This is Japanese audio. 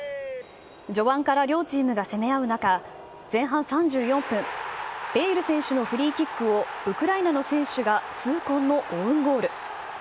序盤から両チームが攻め合う中、前半３４分、ベイル選手のフリーキックをウクライナの選手が痛恨のオウンゴール。